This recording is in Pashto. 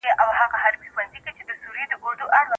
که بسونه پر خپل وخت حرکت وکړي، نو مامورین نه ځنډیږي.